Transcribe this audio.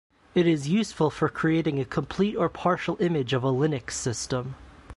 It is useful for creating a complete or partial image of a Linux system.